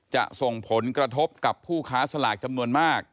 จะส่งผลกระทบกับผู้ค้าสลากจำนวนมาก